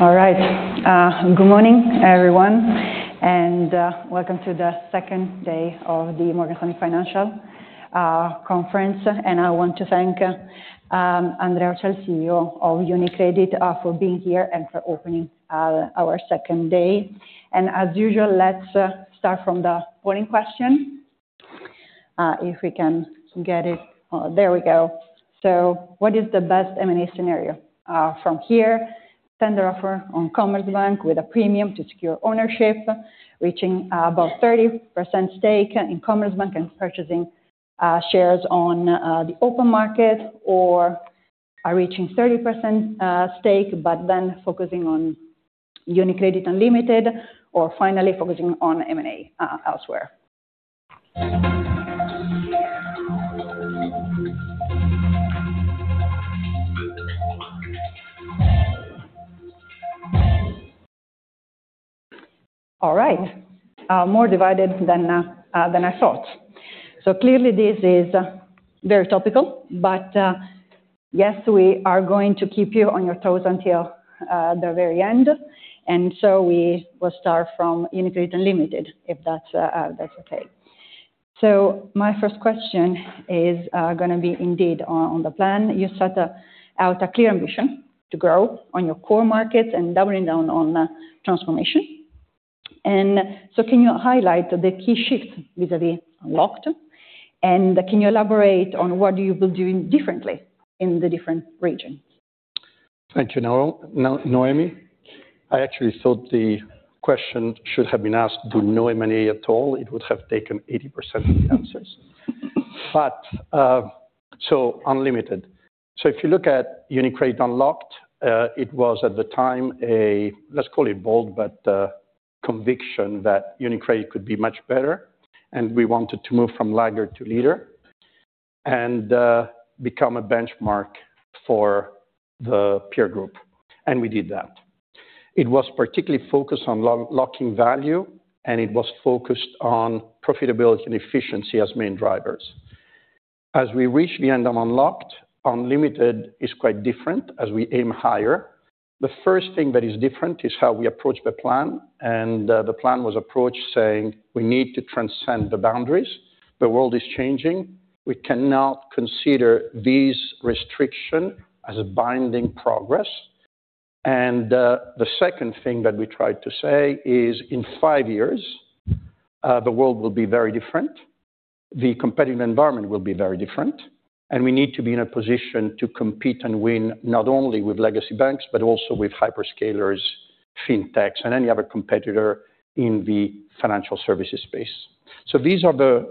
All right. Good morning, everyone, and, welcome to the second day of the Morgan Stanley Financial conference. I want to thank, Andrea Orcel, CEO of UniCredit, for being here and for opening, our second day. As usual, let's start from the polling question, if we can get it. There we go. What is the best M&A scenario, from here? Tender offer on Commerzbank with a premium to secure ownership, reaching about 30% stake in Commerzbank and purchasing, shares on, the open market, or reaching 30% stake, but then focusing on UniCredit Unlimited, or finally focusing on M&A, elsewhere. All right. More divided than I thought. Clearly this is very topical, but, yes, we are going to keep you on your toes until, the very end. We will start from UniCredit Unlimited, if that's okay. My first question is gonna be indeed on the plan. You set out a clear mission to grow on your core markets and doubling down on transformation. Can you highlight the key shifts vis-à-vis Unlocked? Can you elaborate on what you will be doing differently in the different regions? Thank you, Noemi. I actually thought the question should have been asked, do no M&A at all. It would have taken 80% of the answers. Unlimited. If you look at UniCredit Unlocked, it was at the time a, let's call it bold, conviction that UniCredit could be much better, and we wanted to move from laggard to leader and become a benchmark for the peer group. We did that. It was particularly focused on locking value, and it was focused on profitability and efficiency as main drivers. As we reach the end of Unlocked, Unlimited is quite different as we aim higher. The first thing that is different is how we approach the plan, and the plan was approached saying we need to transcend the boundaries. The world is changing. We cannot consider these restrictions as a binding constraint. The second thing that we tried to say is, in five years, the world will be very different, the competitive environment will be very different, and we need to be in a position to compete and win not only with legacy banks, but also with hyperscalers, fintechs, and any other competitor in the financial services space. These are the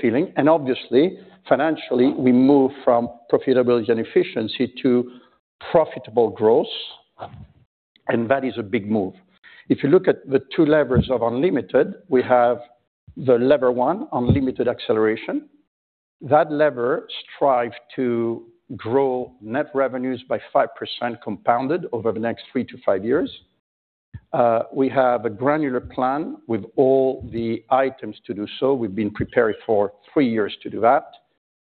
feeling. Obviously, financially, we move from profitability and efficiency to profitable growth, and that is a big move. If you look at the two levers of Unlimited, we have the lever one, Unlimited Acceleration. That lever strive to grow net revenues by 5% compounded over the next three to five years. We have a granular plan with all the items to do so. We've been preparing for three years to do that.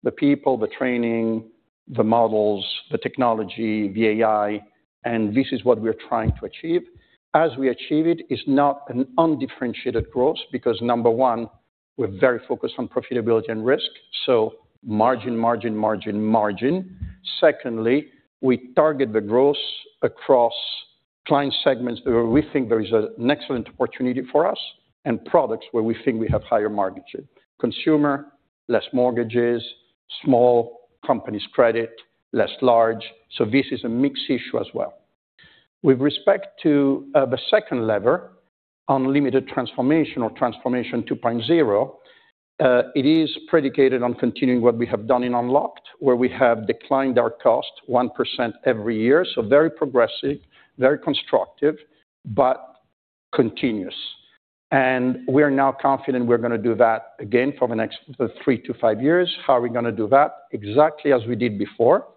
The people, the training, the models, the technology, the AI, and this is what we're trying to achieve. As we achieve it's not an undifferentiated growth, because number one, we're very focused on profitability and risk, so margin, margin, margin, margin. Secondly, we target the growth across client segments where we think there is an excellent opportunity for us and products where we think we have higher margins. Consumer, less mortgages, small companies credit, less large. So this is a mix issue as well. With respect to the second lever, Unlimited Transformation or Transformation 2.0, it is predicated on continuing what we have done in Unlocked, where we have declined our cost 1% every year. So very progressive, very constructive, but continuous. We are now confident we're gonna do that again for the next three to five years. How are we gonna do that? Exactly as we did before.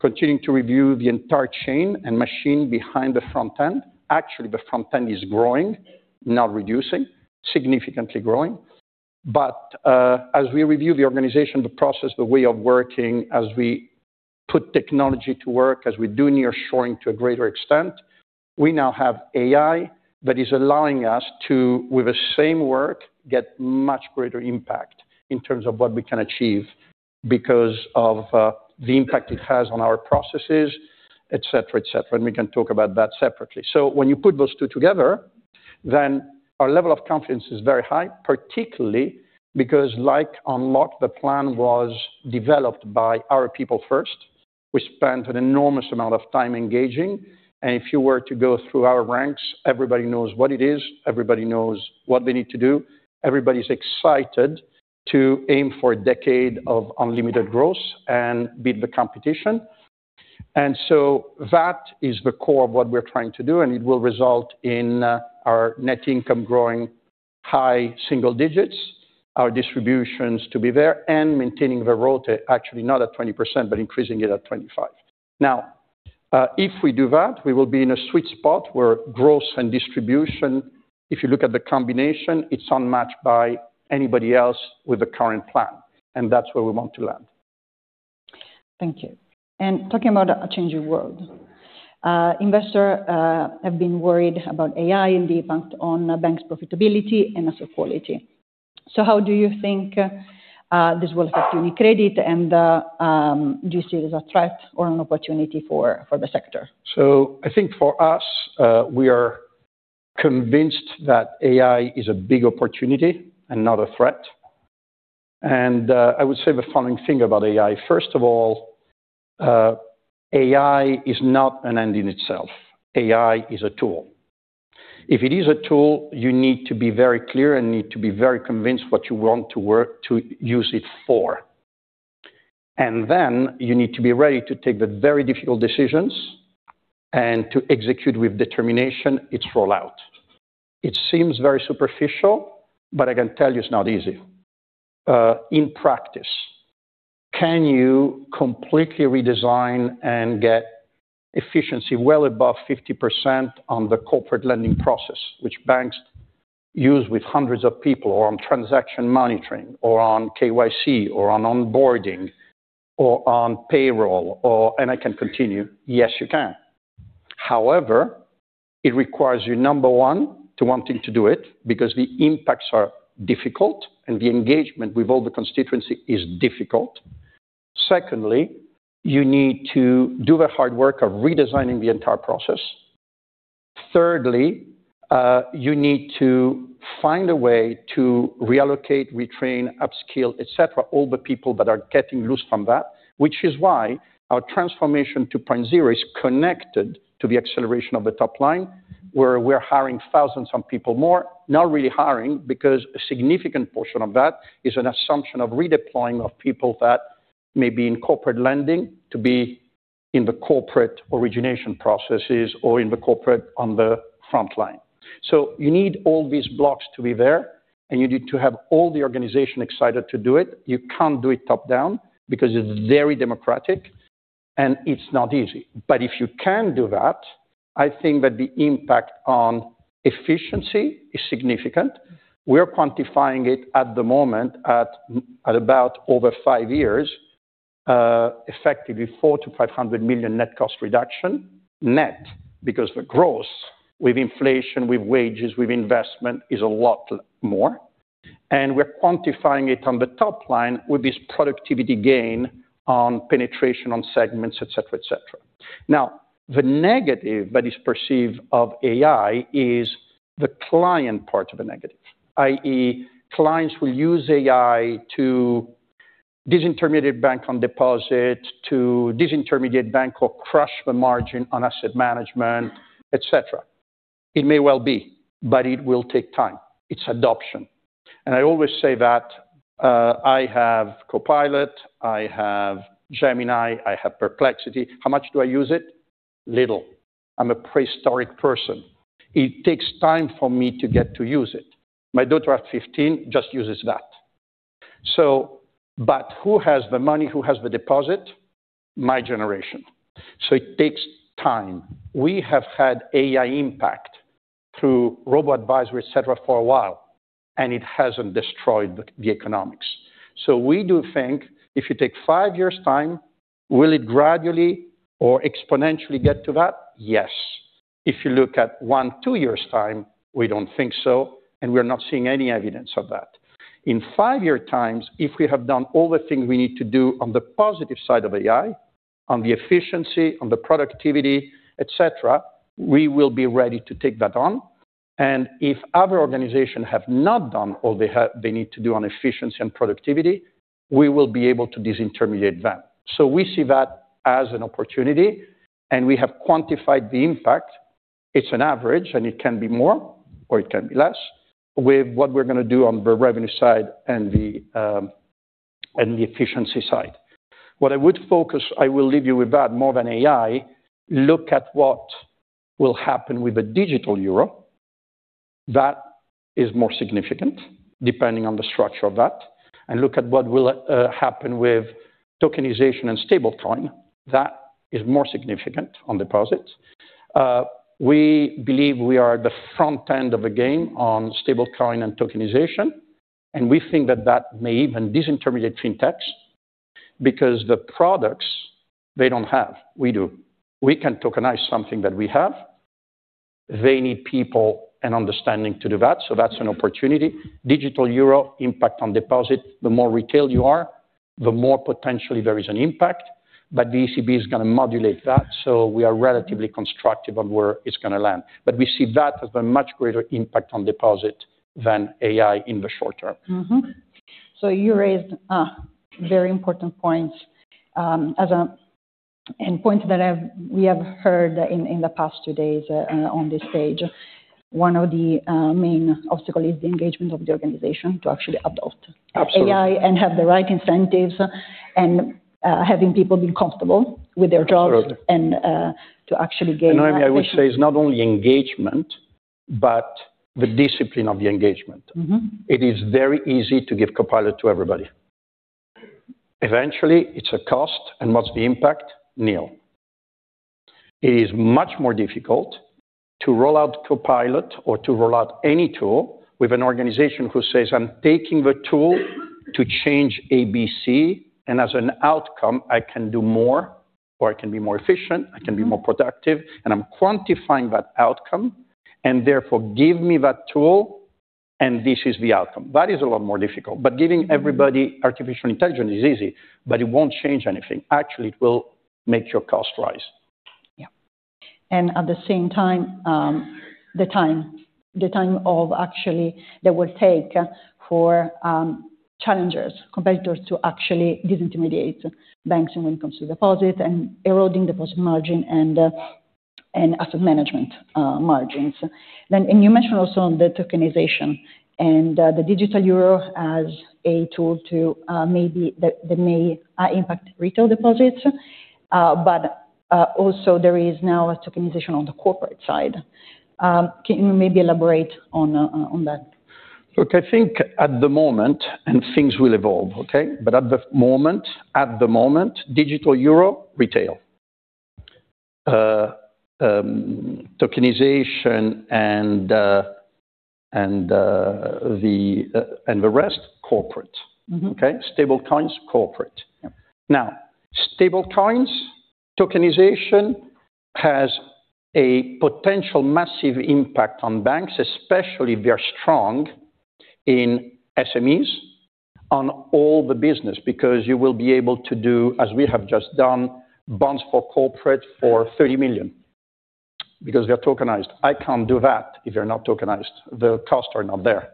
Continuing to review the entire chain and machine behind the front end. Actually, the front end is growing, not reducing, significantly growing. As we review the organization, the process, the way of working, as we put technology to work, as we do nearshoring to a greater extent. We now have AI that is allowing us to, with the same work, get much greater impact in terms of what we can achieve because of the impact it has on our processes, et cetera, et cetera. We can talk about that separately. When you put those two together, then our level of confidence is very high, particularly because like Unlocked, the plan was developed by our people first. We spent an enormous amount of time engaging. If you were to go through our ranks, everybody knows what it is, everybody knows what they need to do. Everybody's excited to aim for a decade of unlimited growth and beat the competition. That is the core of what we're trying to do, and it will result in our net income growing high single digits, our distributions to be there, and maintaining the RoTE, actually not at 20%, but increasing it to 25%. Now, if we do that, we will be in a sweet spot where growth and distribution, if you look at the combination, it's unmatched by anybody else with a current plan, and that's where we want to land. Thank you. Talking about a changing world, investors have been worried about AI and the impact on the bank's profitability and asset quality. How do you think this will affect UniCredit and do you see it as a threat or an opportunity for the sector? I think for us, we are convinced that AI is a big opportunity and not a threat. I would say the following thing about AI. First of all, AI is not an end in itself. AI is a tool. If it is a tool, you need to be very clear and need to be very convinced what you want to work to use it for. Then you need to be ready to take the very difficult decisions and to execute with determination its rollout. It seems very superficial, but I can tell you it's not easy. In practice, can you completely redesign and get efficiency well above 50% on the corporate lending process, which banks use with hundreds of people or on transaction monitoring or on KYC or on onboarding or on payroll, and I can continue. Yes, you can. However, it requires you, number one, to wanting to do it because the impacts are difficult and the engagement with all the constituency is difficult. Secondly, you need to do the hard work of redesigning the entire process. Thirdly, you need to find a way to reallocate, retrain, upskill, et cetera, all the people that are getting loose from that. Which is why our Transformation 2.0 is connected to the acceleration of the top line, where we're hiring thousands of people more. Not really hiring, because a significant portion of that is an assumption of redeploying of people that may be in corporate lending to be in the corporate origination processes or in the corporate on the front line. So you need all these blocks to be there, and you need to have all the organization excited to do it. You can't do it top-down because it's very democratic and it's not easy. If you can do that, I think that the impact on efficiency is significant. We're quantifying it at the moment about over five years, effectively 400 million-500 million net cost reduction. Net, because the gross with inflation, with wages, with investment is a lot more. We're quantifying it on the top line with this productivity gain on penetration, on segments, et cetera, et cetera. Now, the negative that is perceived of AI is the client part of the negative, i.e., clients will use AI to disintermediate bank on deposit, to disintermediate bank or crush the margin on asset management, et cetera. It may well be, but it will take time. It's adoption. I always say that, I have Copilot, I have Gemini, I have Perplexity. How much do I use it? Little. I'm a prehistoric person. It takes time for me to get to use it. My daughter at 15 just uses that. But who has the money? Who has the deposit? My generation. It takes time. We have had AI impact through robo-advisory, et cetera, for a while, and it hasn't destroyed the economics. We do think if you take five years' time, will it gradually or exponentially get to that? Yes. If you look at one, two years' time, we don't think so, and we're not seeing any evidence of that. In five-year times, if we have done all the things we need to do on the positive side of AI, on the efficiency, on the productivity, et cetera, we will be ready to take that on. If other organizations have not done all they need to do on efficiency and productivity, we will be able to disintermediate them. We see that as an opportunity, and we have quantified the impact. It's an average, and it can be more or it can be less with what we're gonna do on the revenue side and the, and the efficiency side. What I would focus, I will leave you with that more than AI, look at what will happen with the digital euro. That is more significant depending on the structure of that. Look at what will happen with tokenization and stablecoin. That is more significant on deposits. We believe we are at the front end of the game on stablecoin and tokenization, and we think that that may even disintermediate fintechs because the products they don't have, we do. We can tokenize something that we have. They need people and understanding to do that, so that's an opportunity. Digital euro impact on deposit, the more retail you are, the more potentially there is an impact. The ECB is gonna modulate that, so we are relatively constructive on where it's gonna land. We see that as the much greater impact on deposit than AI in the short term. You raised very important points and points that we have heard in the past two days on this stage. One of the main obstacle is the engagement of the organization to actually adopt— Absolutely. —AI and have the right incentives and, having people be comfortable with their jobs. Absolutely. And to actually gain that. Noemi, I would say it's not only engagement, but the discipline of the engagement. Mm-hmm. It is very easy to give Copilot to everybody. Eventually, it's a cost, and what's the impact? Nil. It is much more difficult to roll out Copilot or to roll out any tool with an organization who says, "I'm taking the tool to change ABC, and as an outcome, I can do more or I can be more efficient, I can be more productive, and I'm quantifying that outcome, and therefore, give me that tool, and this is the outcome." That is a lot more difficult. Giving everybody artificial intelligence is easy, but it won't change anything. Actually, it will make your cost rise. Yeah. At the same time, the time of actually that will take for challengers, competitors to actually disintermediate banks and win consumer deposit and eroding deposit margin and asset management margins. You mentioned also on the tokenization and the digital euro as a tool to maybe that may impact retail deposits, but also there is now a tokenization on the corporate side. Can you maybe elaborate on that? Look, I think at the moment, and things will evolve, okay? At the moment, digital euro, retail. Tokenization and the rest, corporate. Mm-hmm. Stablecoins, corporate. Now, stablecoins, tokenization has a potential massive impact on banks, especially if they are strong in SMEs on all the business, because you will be able to do, as we have just done, bonds for corporates for 30 million because they are tokenized. I can't do that if they're not tokenized. The costs are not there.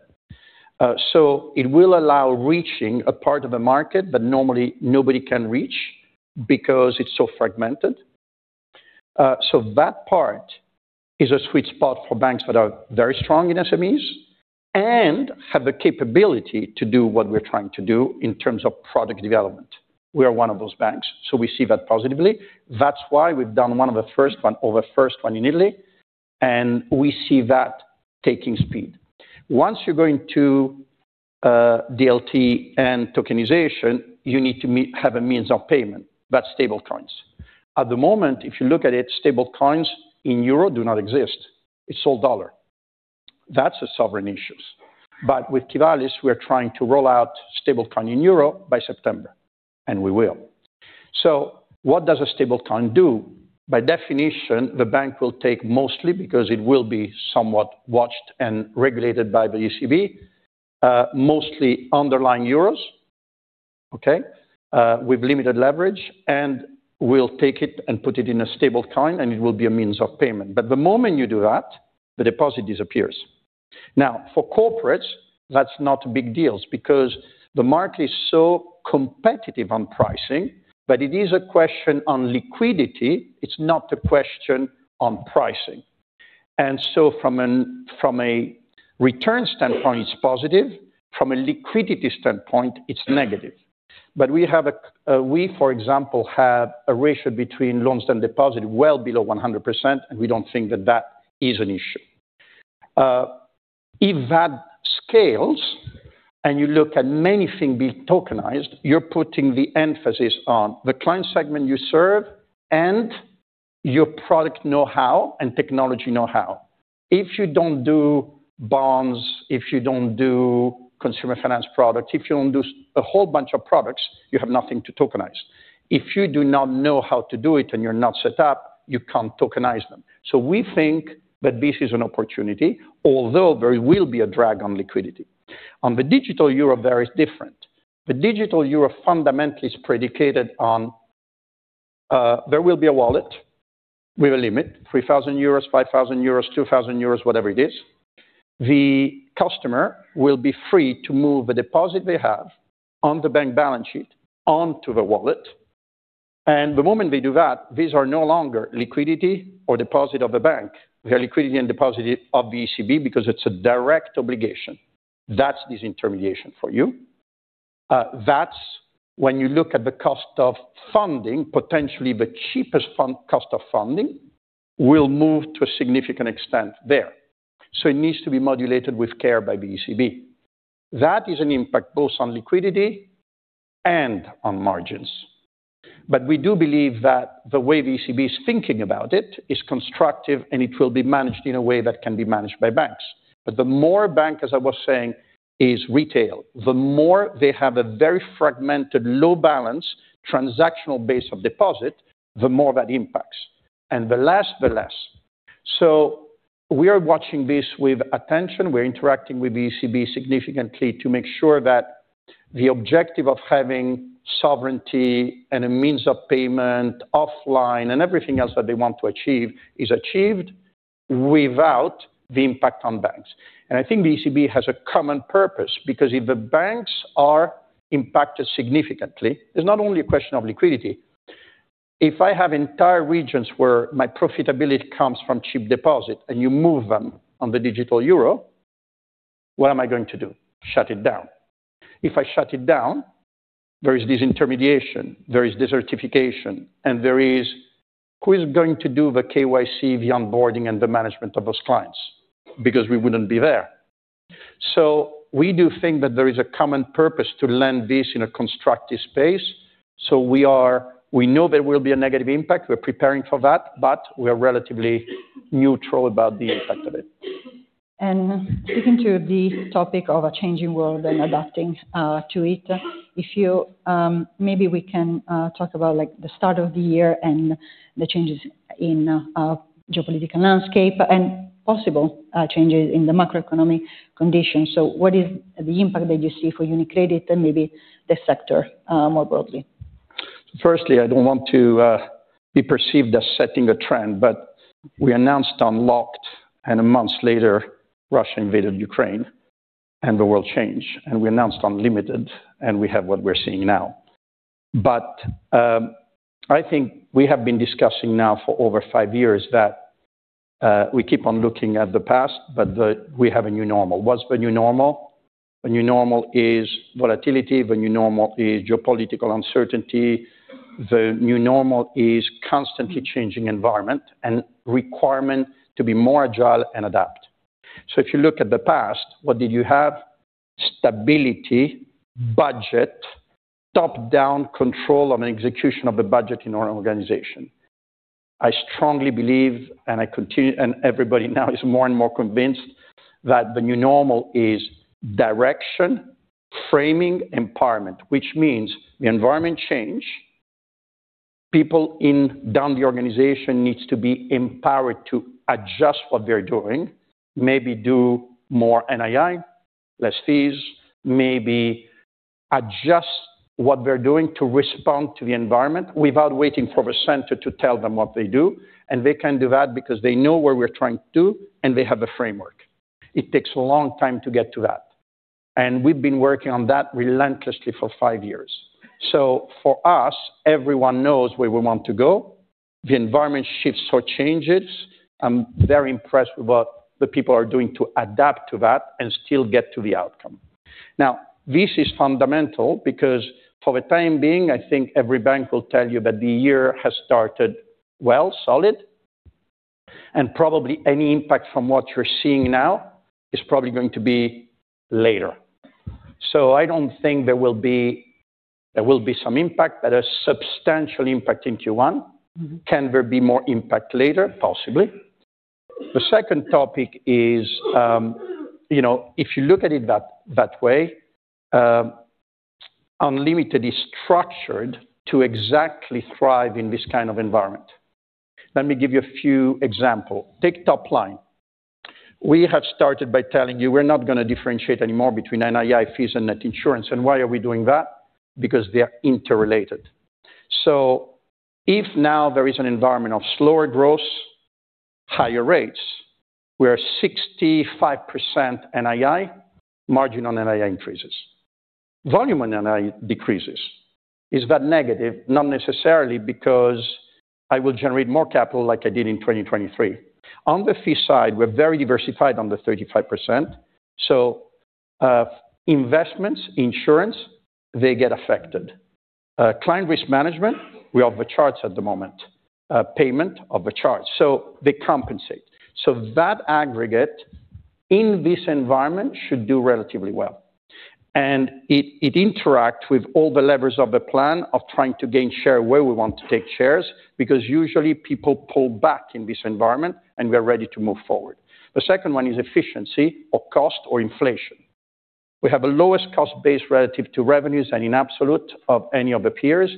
It will allow reaching a part of the market that normally nobody can reach because it's so fragmented. That part is a sweet spot for banks that are very strong in SMEs and have the capability to do what we're trying to do in terms of product development. We are one of those banks, so we see that positively. That's why we've done one of the first one or the first one in Italy, and we see that taking speed. Once you're going to DLT and tokenization, you need to have a means of payment. That's stablecoins. At the moment, if you look at it, stablecoins in euro do not exist. It's all dollar. That's a sovereign issue. With Qivalis, we're trying to roll out stablecoin in euro by September, and we will. What does a stablecoin do? By definition, the bank will take mostly because it will be somewhat watched and regulated by the ECB, mostly underlying euros, okay? With limited leverage, and we'll take it and put it in a stablecoin, and it will be a means of payment. The moment you do that, the deposit disappears. Now, for corporates, that's not a big deal because the market is so competitive on pricing, but it is a question on liquidity, it's not a question on pricing. From a return standpoint, it's positive, from a liquidity standpoint, it's negative. We, for example, have a ratio between loans and deposits well below 100%, and we don't think that is an issue. If that scales and you look at many things being tokenized, you're putting the emphasis on the client segment you serve and your product know-how and technology know-how. If you don't do bonds, if you don't do consumer finance products, if you don't do a whole bunch of products, you have nothing to tokenize. If you do not know how to do it and you're not set up, you can't tokenize them. We think that this is an opportunity, although there will be a drag on liquidity. On the digital euro, there is different. The digital euro fundamentally is predicated on there will be a wallet with a limit, 3,000 euros, 5,000 euros, 2,000 euros, whatever it is. The customer will be free to move the deposit they have on the bank balance sheet on to the wallet. The moment they do that, these are no longer liquidity or deposit of the bank. They're liquidity and deposit of the ECB because it's a direct obligation. That's disintermediation for you. That's when you look at the cost of funding, cost of funding will move to a significant extent there. It needs to be modulated with care by the ECB. That is an impact both on liquidity and on margins. We do believe that the way the ECB is thinking about it is constructive, and it will be managed in a way that can be managed by banks. The more bank, as I was saying, is retail, the more they have a very fragmented low balance transactional base of deposit, the more that impacts, and the less. We are watching this with attention. We're interacting with the ECB significantly to make sure that the objective of having sovereignty and a means of payment offline and everything else that they want to achieve is achieved without the impact on banks. I think the ECB has a common purpose because if the banks are impacted significantly, it's not only a question of liquidity. If I have entire regions where my profitability comes from cheap deposit and you move them on the digital euro, what am I going to do? Shut it down. If I shut it down, there is disintermediation, there is desertification, and there is who is going to do the KYC, the onboarding, and the management of those clients because we wouldn't be there. We do think that there is a common purpose to land this in a constructive space. We know there will be a negative impact. We're preparing for that, but we are relatively neutral about the impact of it. Speaking to the topic of a changing world and adapting to it, if you maybe we can talk about like the start of the year and the changes in the geopolitical landscape and possible changes in the macroeconomic conditions. What is the impact that you see for UniCredit and maybe the sector more broadly? Firstly, I don't want to be perceived as setting a trend, but we announced Unlocked, and a month later, Russia invaded Ukraine, and the world changed. We announced Unlimited, and we have what we're seeing now. I think we have been discussing now for over five years that we keep on looking at the past, but we have a new normal. What's the new normal? The new normal is volatility. The new normal is geopolitical uncertainty. The new normal is constantly changing environment and requirement to be more agile and adapt. If you look at the past, what did you have? Stability, budget, top-down control on execution of the budget in our organization. I strongly believe, and I continue, and everybody now is more and more convinced that the new normal is direction, framing, empowerment, which means the environment change. People down the organization needs to be empowered to adjust what they're doing, maybe do more NII, less fees, maybe adjust what they're doing to respond to the environment without waiting for the center to tell them what they do. They can do that because they know what we're trying to do, and they have the framework. It takes a long time to get to that, and we've been working on that relentlessly for five years. For us, everyone knows where we want to go. The environment shifts or changes. I'm very impressed with what the people are doing to adapt to that and still get to the outcome. This is fundamental because for the time being, I think every bank will tell you that the year has started well, solid, and probably any impact from what you're seeing now is probably going to be later. There will be some impact, but a substantial impact in Q1. Can there be more impact later? Possibly. The second topic is, you know, if you look at it that way, Unlimited is structured to exactly thrive in this kind of environment. Let me give you a few example. Take top line. We have started by telling you we're not gonna differentiate anymore between NII fees and net insurance. Why are we doing that? Because they are interrelated. If now there is an environment of slower growth, higher rates, we are 65% NII, margin on NII increases. Volume on NII decreases. Is that negative? Not necessarily, because I will generate more capital like I did in 2023. On the fee side, we're very diversified on the 35%. Investments, insurance, they get affected. Client risk management, we overcharge at the moment, payment overcharge, so they compensate. That aggregate in this environment should do relatively well. It interacts with all the levers of the plan of trying to gain share where we want to take shares, because usually people pull back in this environment and we are ready to move forward. The second one is efficiency or cost or inflation. We have the lowest cost base relative to revenues and in absolute of any of the peers,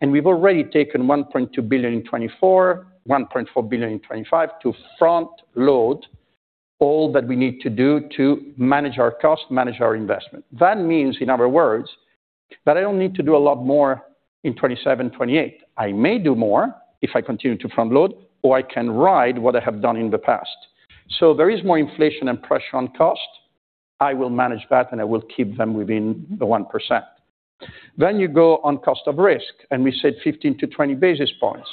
and we've already taken 1.2 billion in 2024, 1.4 billion in 2025 to front load all that we need to do to manage our cost, manage our investment. That means, in other words, that I don't need to do a lot more in 2027, 2028. I may do more if I continue to front load, or I can ride what I have done in the past. There is more inflation and pressure on cost. I will manage that, and I will keep them within the 1%. You go on cost of risk, and we said 15-20 basis points.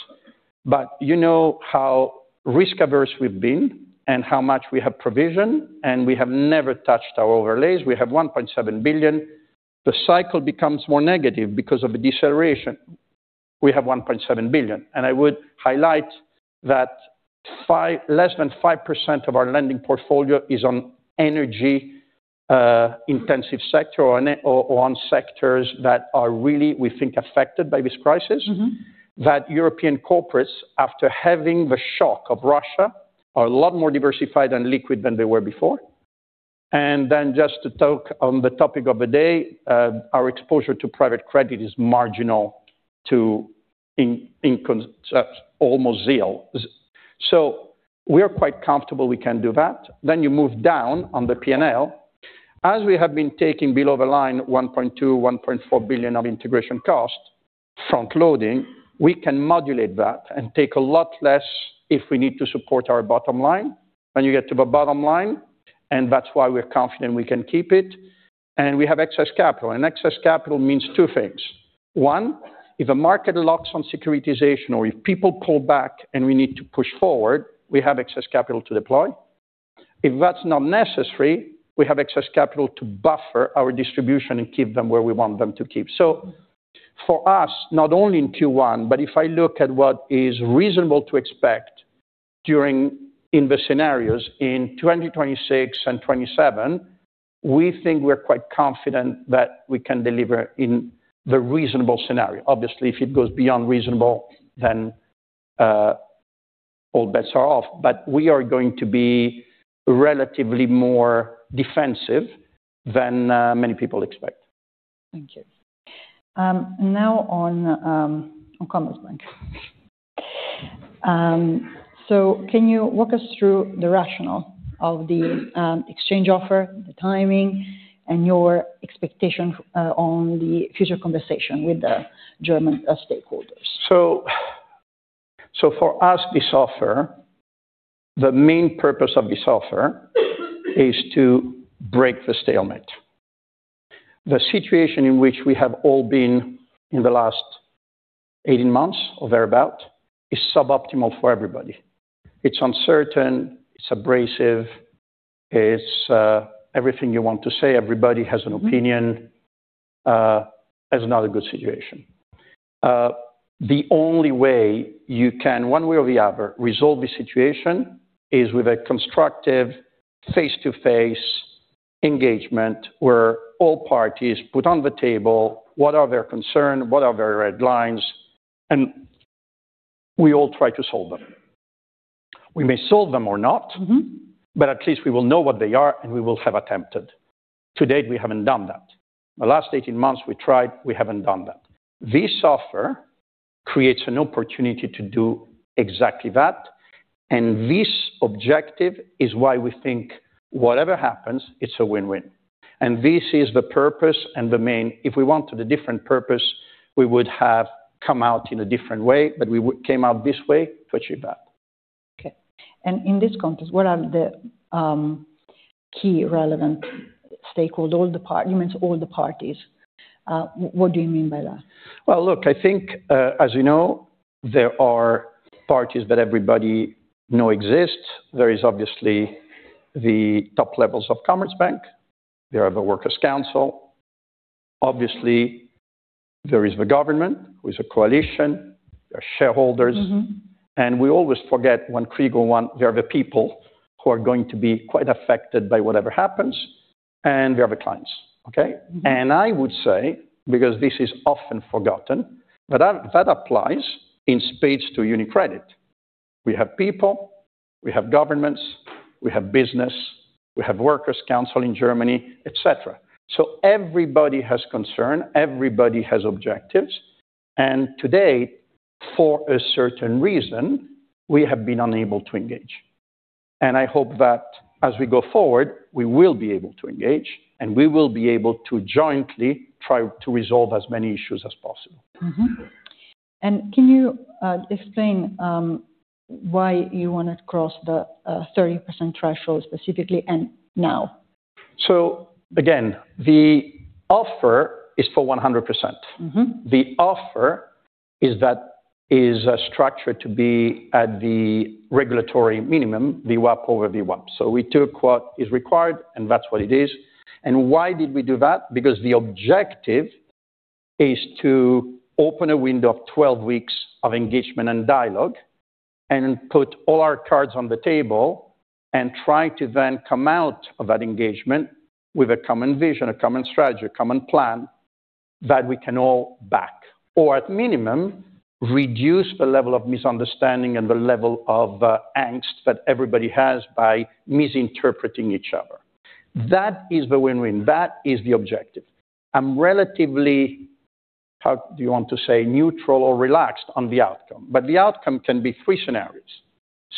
You know how risk-averse we've been and how much we have provisioned, and we have never touched our overlays. We have 1.7 billion. The cycle becomes more negative because of the deceleration. We have 1.7 billion. I would highlight that less than 5% of our lending portfolio is on energy intensive sector or on sectors that are really, we think, affected by this crisis. Mm-hmm. That European corporates, after having the shock of Russia, are a lot more diversified and liquid than they were before. Then just to talk on the topic of the day, our exposure to private credit is marginal, in concept, almost zero. We are quite comfortable we can do that. Then you move down on the P&L. As we have been taking below the line, 1.2 billion, 1.4 billion of integration cost, front loading, we can modulate that and take a lot less if we need to support our bottom line. When you get to the bottom line, that's why we're confident we can keep it. We have excess capital. Excess capital means two things. One, if a market locks on securitization or if people pull back and we need to push forward, we have excess capital to deploy. If that's not necessary, we have excess capital to buffer our distribution and keep them where we want them to keep. For us, not only in Q1, but if I look at what is reasonable to expect during in the scenarios in 2026 and 2027, we think we're quite confident that we can deliver in the reasonable scenario. Obviously, if it goes beyond reasonable, then, all bets are off. We are going to be relatively more defensive than many people expect. Thank you. Now on Commerzbank. Can you walk us through the rationale of the exchange offer, the timing, and your expectation on the future conversation with the German stakeholders? For us, this offer, the main purpose of this offer is to break the stalemate. The situation in which we have all been in the last 18 months or thereabout is suboptimal for everybody. It's uncertain, it's abrasive, it's everything you want to say. Everybody has an opinion. It's not a good situation. The only way you can, one way or the other, resolve the situation is with a constructive face-to-face engagement where all parties put on the table what are their concern, what are their red lines, and we all try to solve them. We may solve them or not. Mm-hmm. At least we will know what they are, and we will have attempted. To date, we haven't done that. The last 18 months, we tried, we haven't done that. This offer creates an opportunity to do exactly that, and this objective is why we think whatever happens, it's a win-win. This is the purpose and the main. If we want a different purpose, we would have come out in a different way, but we came out this way to achieve that. Okay. In this context, what are the key relevant stakeholders? All the parties. You mentioned all the parties. What do you mean by that? Well, look, I think, as you know, there are parties that everybody know exist. There is obviously the top levels of Commerzbank. There are the Workers' Council. Obviously, there is the government, who is a coalition, there are shareholders. Mm-hmm. We always forget when Krieger won, there are the people who are going to be quite affected by whatever happens, and there are the clients, okay? Mm-hmm. I would say, because this is often forgotten, that applies in spades to UniCredit. We have people, we have governments, we have business, we have Workers' Council in Germany, et cetera. So everybody has concern, everybody has objectives. Today, for a certain reason, we have been unable to engage. I hope that as we go forward, we will be able to engage, and we will be able to jointly try to resolve as many issues as possible. Mm-hmm. Can you explain why you want to cross the 30% threshold, specifically and now? Again, the offer is for 100%. Mm-hmm. The offer is structured to be at the regulatory minimum, the VWAP over the WAMP. We took what is required and that's what it is. Why did we do that? Because the objective is to open a window of 12 weeks of engagement and dialogue and put all our cards on the table and try to then come out of that engagement with a common vision, a common strategy, a common plan that we can all back, or at minimum, reduce the level of misunderstanding and the level of angst that everybody has by misinterpreting each other. That is the win-win, that is the objective. I'm relatively, how do you want to say, neutral or relaxed on the outcome, but the outcome can be three scenarios.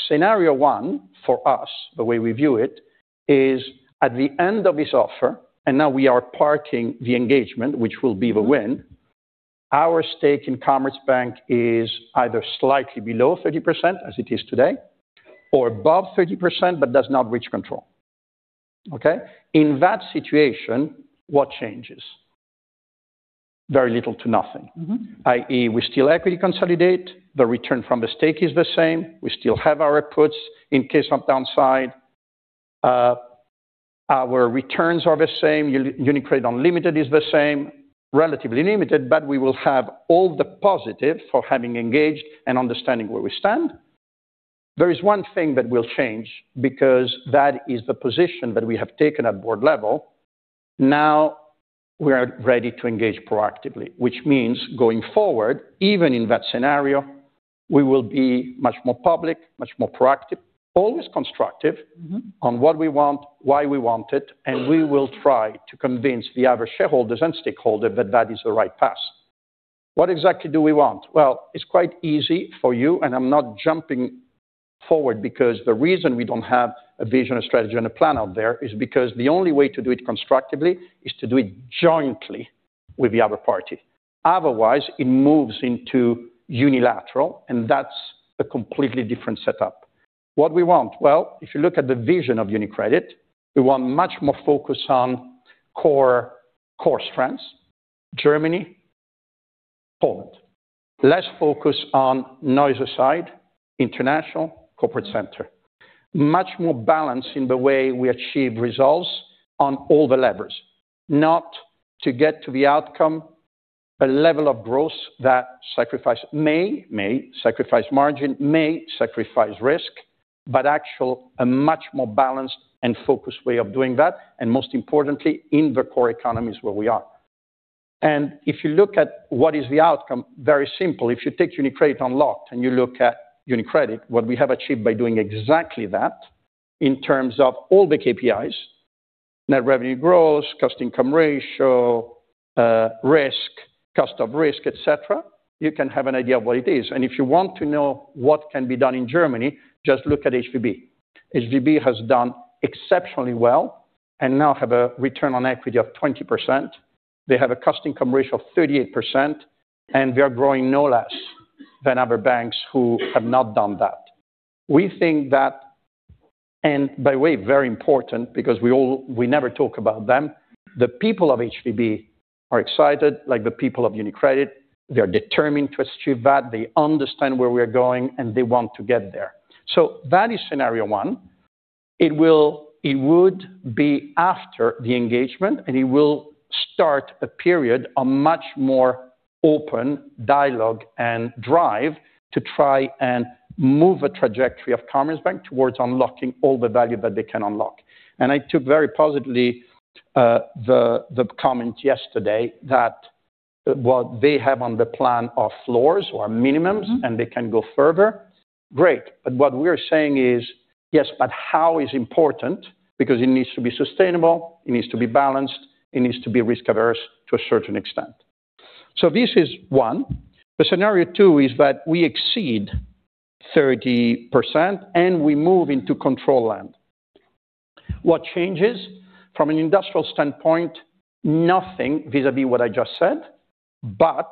Scenario one, for us, the way we view it, is at the end of this offer, and now we are parting the engagement, which will be the win. Our stake in Commerzbank is either slightly below 30%, as it is today, or above 30%, but does not reach control, okay? In that situation, what changes? Very little to nothing. Mm-hmm. I.e., we still equity consolidate, the return from the stake is the same. We still have our puts in case of downside. Our returns are the same. UniCredit Unlimited is the same, relatively limited, but we will have all the positive for having engaged and understanding where we stand. There is one thing that will change because that is the position that we have taken at board level. Now we are ready to engage proactively, which means going forward, even in that scenario, we will be much more public, much more proactive, always constructive. Mm-hmm. On what we want, why we want it, and we will try to convince the other shareholders and stakeholders that that is the right path. What exactly do we want? Well, it's quite easy for you, and I'm not jumping forward because the reason we don't have a vision, a strategy, and a plan out there is because the only way to do it constructively is to do it jointly with the other party. Otherwise, it moves into unilateral, and that's a completely different setup. What we want? Well, if you look at the vision of UniCredit, we want much more focus on core strengths, Germany, Poland. Less focus on noise aside, international, corporate center. Much more balance in the way we achieve results on all the levers. Not to get to the outcome, a level of growth that may sacrifice margin, may sacrifice risk, but actually a much more balanced and focused way of doing that, and most importantly, in the core economies where we are. If you look at what is the outcome, very simple. If you take UniCredit Unlocked and you look at UniCredit, what we have achieved by doing exactly that in terms of all the KPIs, net revenue growth, cost income ratio, risk, cost of risk, etc., you can have an idea of what it is. If you want to know what can be done in Germany, just look at HVB. HVB has done exceptionally well and now have a return on equity of 20%. They have a cost income ratio of 38%, and we are growing no less than other banks who have not done that. We think that, by the way, very important because we all, we never talk about them, the people of HVB are excited, like the people of UniCredit, they are determined to achieve that, they understand where we are going, and they want to get there. That is scenario one. It would be after the engagement, and it will start a period, a much more open dialogue and drive to try and move a trajectory of Commerzbank towards unlocking all the value that they can unlock. I took very positively the comment yesterday that what they have on the plan are floors or minimums, and they can go further. Great. What we are saying is, yes, but how is important because it needs to be sustainable, it needs to be balanced, it needs to be risk-averse to a certain extent. This is one. Scenario two is that we exceed 30% and we move into control land. What changes? From an integration standpoint, nothing vis-à-vis what I just said, but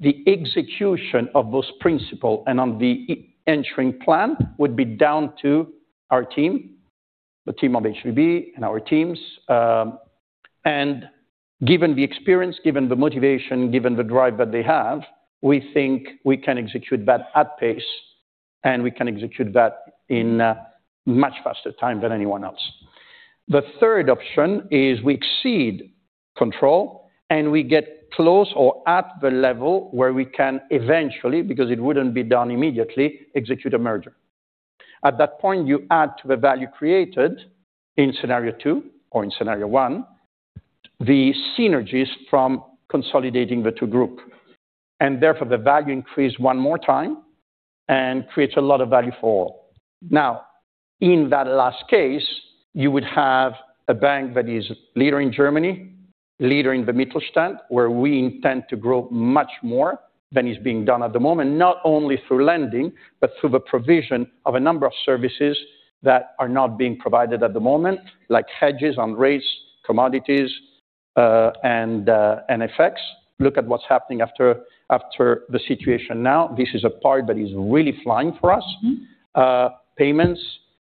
the execution of those principles and on the integration plan would be down to our team, the team of HVB and our teams. Given the experience, given the motivation, given the drive that they have, we think we can execute that at pace, and we can execute that in a much faster time than anyone else. The third option is we exceed control, and we get close or at the level where we can eventually, because it wouldn't be done immediately, execute a merger. At that point, you add to the value created in scenario two or in scenario one, the synergies from consolidating the two group, and therefore the value increase one more time and creates a lot of value for all. Now, in that last case, you would have a bank that is leader in Germany, leader in the Mittelstand, where we intend to grow much more than is being done at the moment, not only through lending, but through the provision of a number of services that are not being provided at the moment, like hedges on rates, commodities, and effects. Look at what's happening after the situation now. This is a part that is really flying for us. Mm-hmm. Payments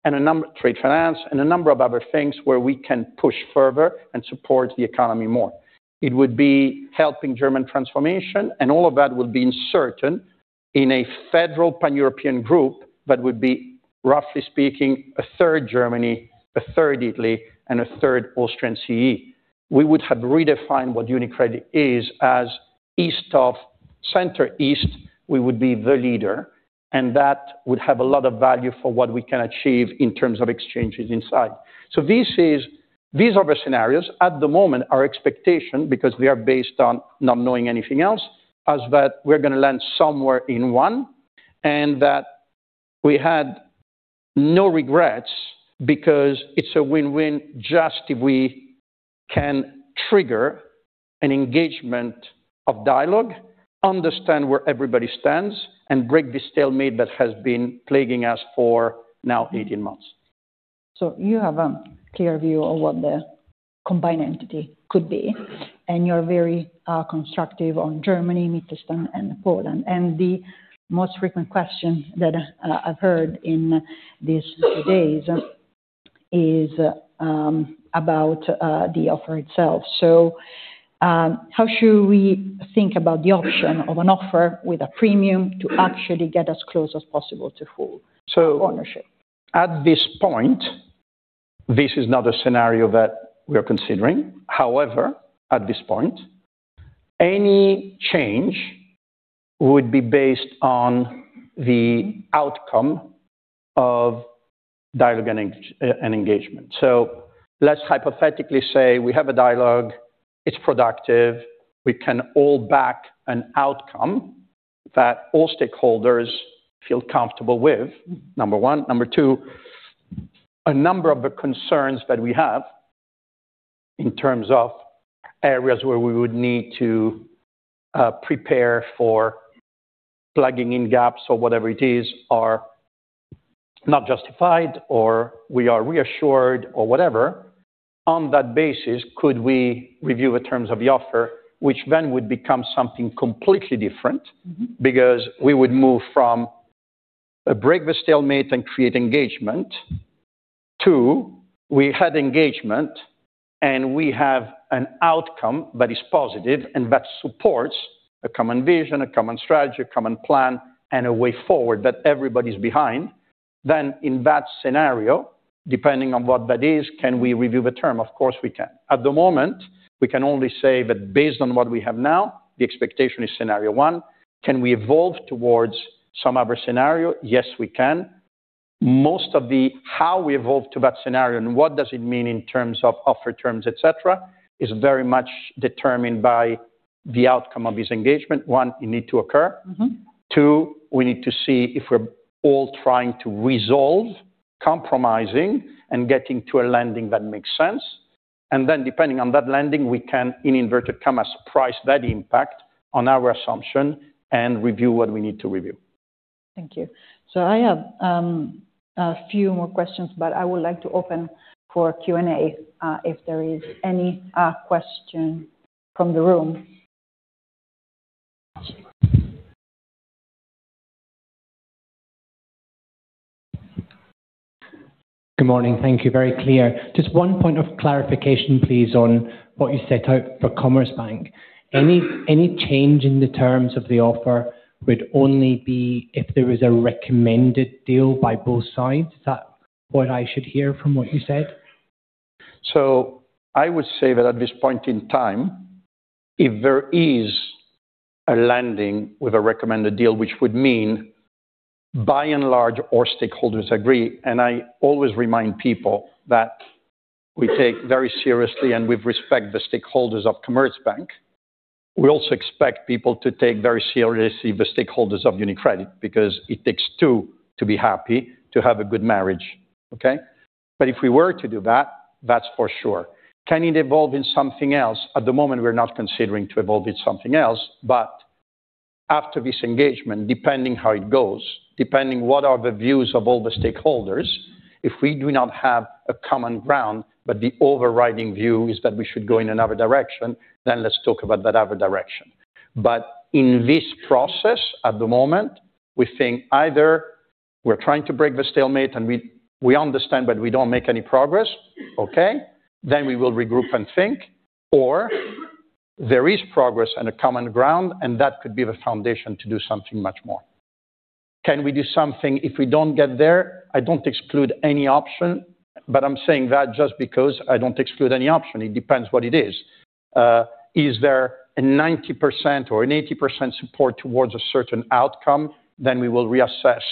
and trade finance, and a number of other things where we can push further and support the economy more. It would be helping German transformation, and all of that would be inserted in a federal pan-European group that would be, roughly speaking, 1/3 Germany, 1/3 Italy, and 1/3 Austria and CEE. We would have redefined what UniCredit is as east of Central East, we would be the leader, and that would have a lot of value for what we can achieve in terms of exchanges inside. These are the scenarios. At the moment, our expectation, because they are based on not knowing anything else, is that we're going to land somewhere in one, and that we had no regrets because it's a win-win just if we can trigger an engagement of dialogue, understand where everybody stands, and break this stalemate that has been plaguing us for now 18 months. You have a clear view on what the combined entity could be, and you're very constructive on Germany, Mittelstand, and Poland. The most frequent question that I've heard in these days is about the offer itself. How should we think about the option of an offer with a premium to actually get as close as possible to full ownership? At this point, this is not a scenario that we are considering. However, at this point, any change would be based on the outcome of dialogue and engagement. Let's hypothetically say we have a dialogue, it's productive, we can all back an outcome that all stakeholders feel comfortable with, number one. Number two, a number of the concerns that we have in terms of areas where we would need to prepare for plugging in gaps or whatever it is, are not justified, or we are reassured or whatever. On that basis, could we review the terms of the offer, which then would become something completely different because we would move from breaking the stalemate and creating engagement to we had engagement, and we have an outcome that is positive and that supports a common vision, a common strategy, a common plan, and a way forward that everybody's behind. In that scenario, depending on what that is, can we review the terms? Of course, we can. At the moment, we can only say that based on what we have now, the expectation is scenario one. Can we evolve towards some other scenario? Yes, we can. Most of how we evolve to that scenario and what does it mean in terms of offer terms, et cetera, is very much determined by the outcome of this engagement. One, it needs to occur. Mm-hmm. Two, we need to see if we're all trying to resolve compromising and getting to a landing that makes sense. Depending on that landing, we can, in inverted commas, price that impact on our assumption and review what we need to review. Thank you. I have a few more questions, but I would like to open for Q&A, if there is any question from the room. Good morning. Thank you. Very clear. Just one point of clarification, please, on what you set out for Commerzbank. Any change in the terms of the offer would only be if there is a recommended deal by both sides? Is that what I should hear from what you said? I would say that at this point in time, if there is a landing with a recommended deal, which would mean by and large, all stakeholders agree, and I always remind people that we take very seriously and with respect the stakeholders of Commerzbank. We also expect people to take very seriously the stakeholders of UniCredit, because it takes two to be happy to have a good marriage, okay? If we were to do that's for sure. Can it evolve in something else? At the moment, we're not considering to evolve in something else, but after this engagement, depending how it goes, depending what are the views of all the stakeholders, if we do not have a common ground, but the overriding view is that we should go in another direction, then let's talk about that other direction. In this process, at the moment, we think either we're trying to break the stalemate and we understand, but we don't make any progress, okay, then we will regroup and think. There is progress and a common ground, and that could be the foundation to do something much more. Can we do something if we don't get there? I don't exclude any option, but I'm saying that just because I don't exclude any option, it depends what it is. Is there a 90% or an 80% support towards a certain outcome, then we will reassess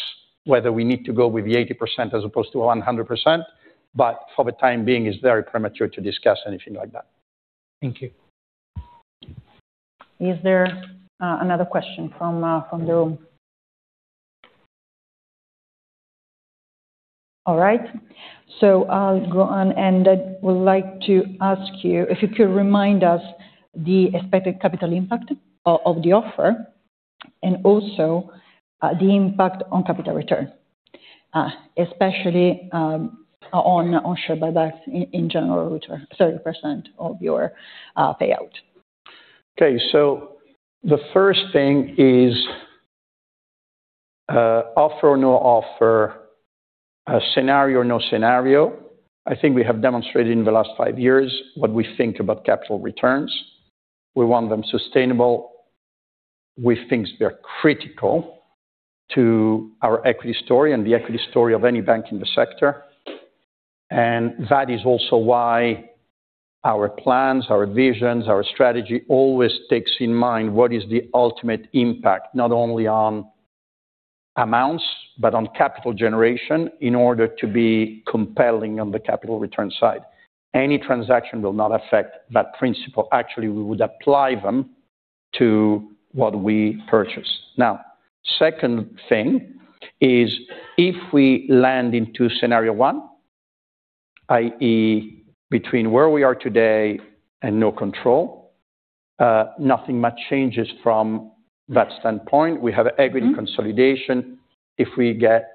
whether we need to go with the 80% as opposed to 100%. For the time being, it's very premature to discuss anything like that. Thank you. Is there another question from the room? All right. I'll go on, and I would like to ask you if you could remind us the expected capital impact of the offer and also the impact on capital return, especially on share buyback in general, which are 30% of your payout. Okay. The first thing is, offer or no offer, scenario or no scenario, I think we have demonstrated in the last five years what we think about capital returns. We want them sustainable. We think they're critical to our equity story and the equity story of any bank in the sector. That is also why our plans, our visions, our strategy always takes in mind what is the ultimate impact, not only on amounts, but on capital generation in order to be compelling on the capital return side. Any transaction will not affect that principle. Actually, we would apply them to what we purchase. Now, second thing is if we land into scenario one, i.e., between where we are today and no control, nothing much changes from that standpoint. We have equity consolidation. If we get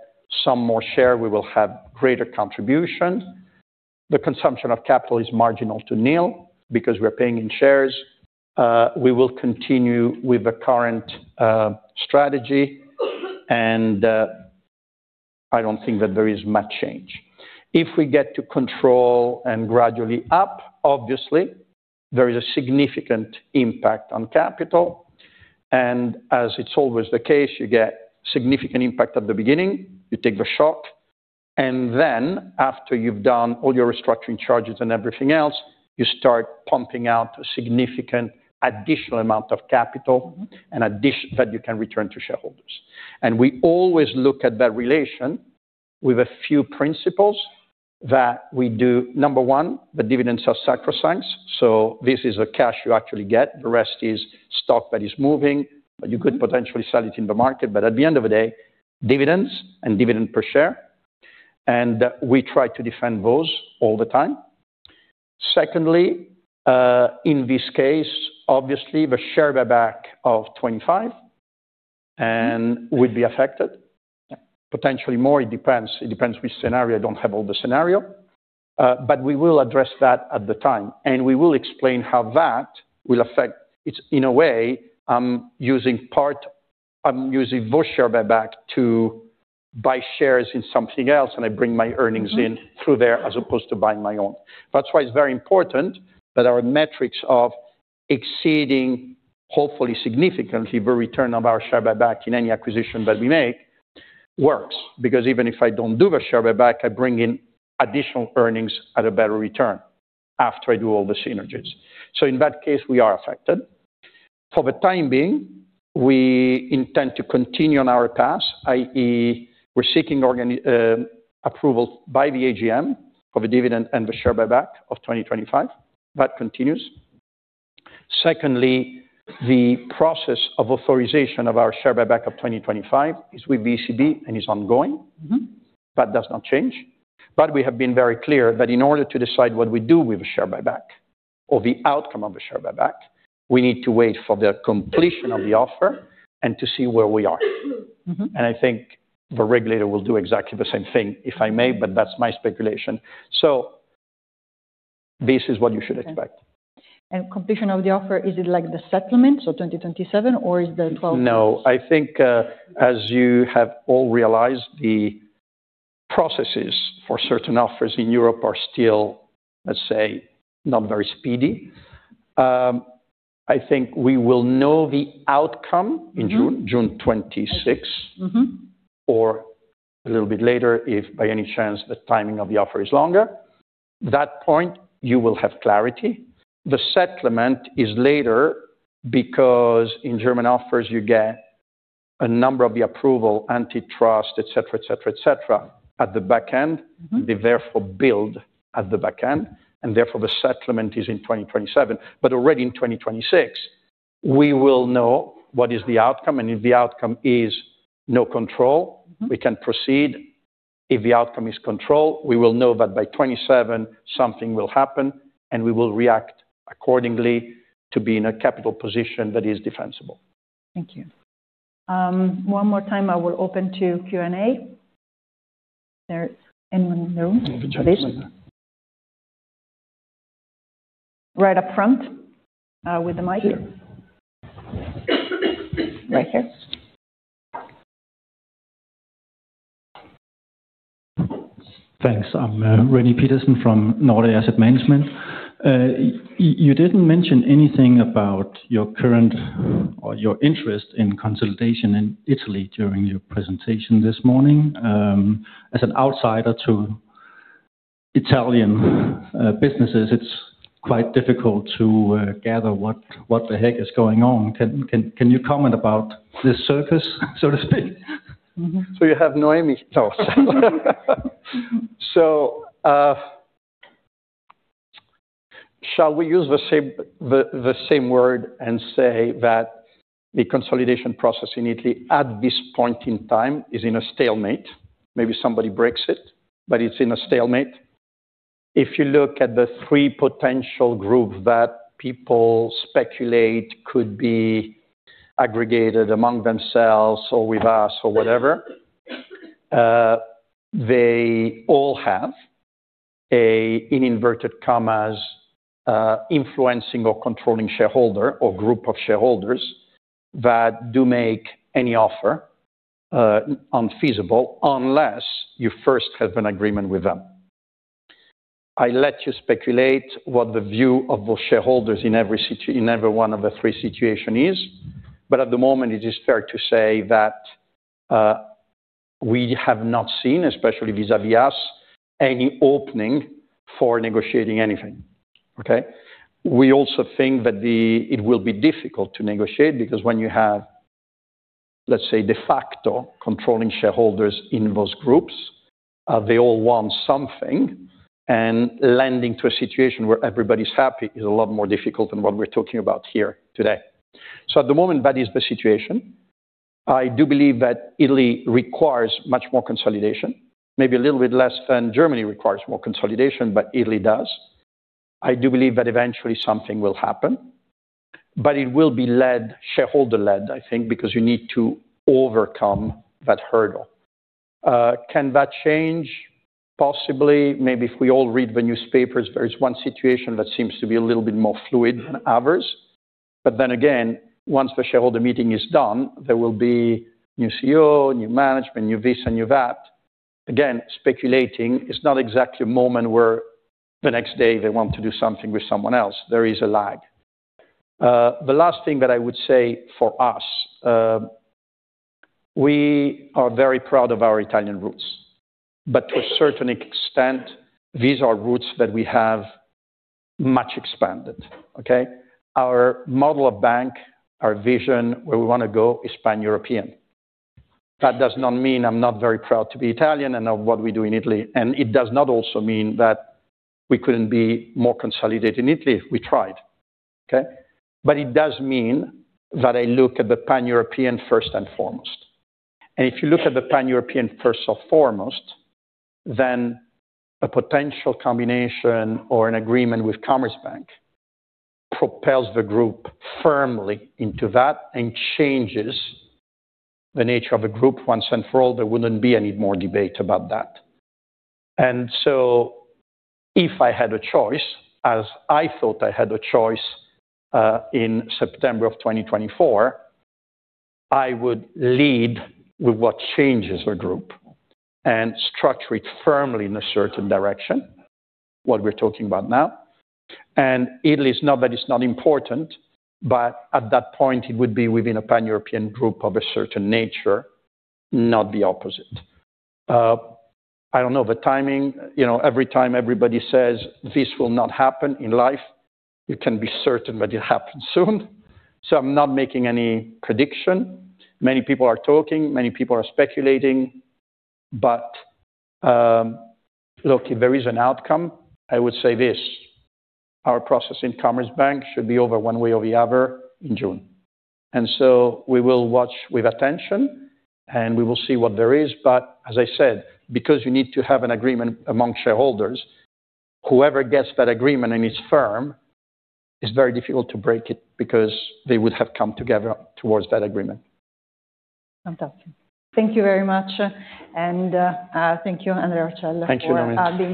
some more share, we will have greater contribution. The consumption of capital is marginal to nil because we're paying in shares. We will continue with the current strategy, and I don't think that there is much change. If we get to control and gradually up, obviously, there is a significant impact on capital. As it's always the case, you get significant impact at the beginning, you take the shock. And then, after you've done all your restructuring charges and everything else, you start pumping out a significant additional amount of capital, an addition that you can return to shareholders. We always look at that relation with a few principles that we do. Number one, the dividends are sacrosanct. This is a cash you actually get. The rest is stock that is moving, but you could potentially sell it in the market. At the end of the day, dividends and dividend per share, and we try to defend those all the time. Secondly, in this case, obviously, the share buyback of 2025 and would be affected. Potentially more, it depends. It depends which scenario. I don't have all the scenario, but we will address that at the time. We will explain how that will affect. It's in a way, I'm using both share buyback to buy shares in something else, and I bring my earnings in through there as opposed to buying my own. That's why it's very important that our metrics of exceeding hopefully significantly the return of our share buyback in any acquisition that we make works. Because even if I don't do the share buyback, I bring in additional earnings at a better return after I do all the synergies. In that case, we are affected. For the time being, we intend to continue on our path, i.e., we're seeking approval by the AGM of a dividend and the share buyback of 2025. That continues. Secondly, the process of authorization of our share buyback of 2025 is with ECB and is ongoing. Mm-hmm. That does not change. We have been very clear that in order to decide what we do with the share buyback or the outcome of the share buyback, we need to wait for the completion of the offer and to see where we are. Mm-hmm. I think the regulator will do exactly the same thing, if I may, but that's my speculation. This is what you should expect. Completion of the offer, is it like the settlement, so 2027, or is the 12— No. I think, as you have all realized, the processes for certain offers in Europe are still, let's say, not very speedy. I think we will know the outcome in June 26. Mm-hmm. A little bit later, if by any chance the timing of the offer is longer. At that point, you will have clarity. The settlement is later because in German offers, you get a number of the approval, antitrust, et cetera, et cetera, et cetera, at the back end. They therefore build at the back end, and therefore the settlement is in 2027. Already in 2026, we will know what is the outcome, and if the outcome is no control, we can proceed. If the outcome is control, we will know that by 2027 something will happen, and we will react accordingly to be in a capital position that is defensible. Thank you. One more time, I will open to Q&A. Is there anyone in the room for this? Right up front, with the mic. Right here. Thanks. I'm René Petersen from Nordea Asset Management. You didn't mention anything about your current or your interest in consolidation in Italy during your presentation this morning. As an outsider to Italian businesses, it's quite difficult to gather what the heck is going on. Can you comment about this surface, so to speak? Mm-hmm. You have Noemi to talk. Oh. Shall we use the same word and say that the consolidation process in Italy at this point in time is in a stalemate. Maybe somebody breaks it, but it's in a stalemate. If you look at the three potential group that people speculate could be aggregated among themselves or with us or whatever, they all have a, in inverted commas, influencing or controlling shareholder or group of shareholders that do make any offer unfeasible unless you first have an agreement with them. I let you speculate what the view of those shareholders in every one of the three situation is, but at the moment, it is fair to say that we have not seen, especially vis-à-vis us, any opening for negotiating anything. Okay? We also think that it will be difficult to negotiate because when you have, let's say, de facto controlling shareholders in those groups, they all want something, and leading to a situation where everybody's happy is a lot more difficult than what we're talking about here today. At the moment, that is the situation. I do believe that Italy requires much more consolidation, maybe a little bit less than Germany requires more consolidation, but Italy does. I do believe that eventually something will happen, but it will be led, shareholder-led, I think, because you need to overcome that hurdle. Can that change? Possibly. Maybe if we all read the newspapers, there is one situation that seems to be a little bit more fluid than others. Once the shareholder meeting is done, there will be new CEO, new management, new this, and new that. Again, speculating, it's not exactly a moment where the next day they want to do something with someone else. There is a lag. The last thing that I would say for us, we are very proud of our Italian roots. But to a certain extent, these are roots that we have much expanded, okay? Our model of bank, our vision, where we wanna go is pan-European. That does not mean I'm not very proud to be Italian and of what we do in Italy, and it does not also mean that we couldn't be more consolidated in Italy if we tried, okay? But it does mean that I look at the pan-European first and foremost. If you look at the pan-European first and foremost, then a potential combination or an agreement with Commerzbank propels the group firmly into that and changes the nature of the group once and for all. There wouldn't be any more debate about that. If I had a choice, as I thought I had a choice, in September 2024, I would lead with what changes the group and structure it firmly in a certain direction, what we're talking about now. Italy is not that. It's not important, but at that point, it would be within a pan-European group of a certain nature, not the opposite. I don't know the timing. You know, every time everybody says this will not happen in life, you can be certain that it happens soon. I'm not making any prediction. Many people are talking, many people are speculating, but, look, if there is an outcome, I would say this: our process in Commerzbank should be over one way or the other in June. We will watch with attention, and we will see what there is. As I said, because you need to have an agreement among shareholders, whoever gets that agreement and is firm, it's very difficult to break it because they would have come together towards that agreement. Fantastic. Thank you very much. Thank you, Andrea Orcel. Thank you, Noemi.